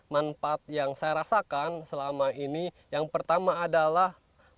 manfaat yang saya rasakan selama ini yang pertama adalah